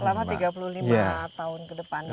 selama tiga puluh lima tahun ke depan